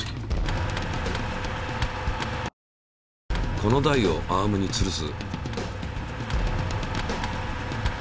この台をアームにつるす。